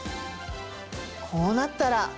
こうなったら。